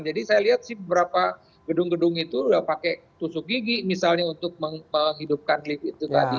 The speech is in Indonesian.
jadi saya lihat sih beberapa gedung gedung itu udah pakai tusuk gigi misalnya untuk menghidupkan lift itu tadi